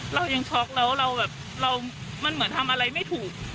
เรายังช็อกแล้วเราแบบเรามันเหมือนทำอะไรไม่ถูก